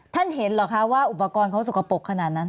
ท่านเห็นเหรอคะว่าอุปกรณ์เขาสกปรกขนาดนั้น